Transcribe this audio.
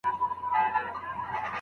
زوی ساعت نه خرڅوي.